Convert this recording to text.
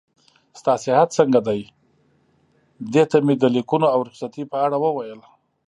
ستا صحت څنګه دی؟ دې ته مې د لیکونو او رخصتۍ په اړه وویل.